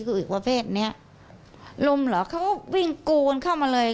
คืออีกประเภทเนี้ยลมเหรอเขาวิ่งกูกันเข้ามาเลย